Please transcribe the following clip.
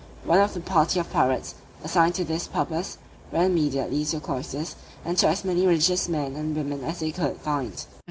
One of the party of pirates, assigned to this purpose, ran immediately to the cloisters, and took as many religious men and women as they could find.